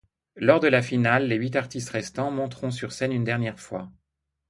Lors de la finale, les huit artistes restants monteront sur scène une dernière fois.